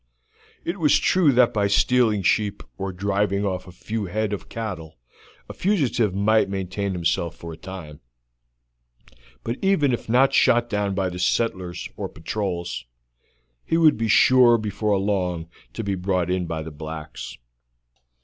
It was true that by stealing sheep or driving off a few head of cattle a fugitive might maintain himself for a time, but even if not shot down by the settlers or patrols, he would be sure before long to be brought in by the blacks.